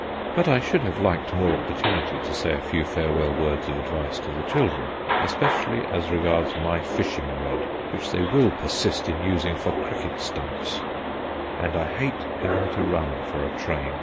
But I should have liked more opportunity to say a few farewell words of advice to the children, especially as regards my fishing rod, which they will persist in using for cricket stumps; and I hate having to run for a train.